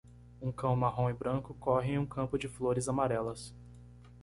Um cão marrom e branco corre em um campo de flores amarelas.